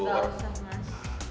gak usah mas